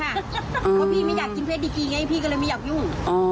เพราะพี่ไม่อยากกินเพศดีกีไงพี่ก็เลยไม่อยากยุ่ง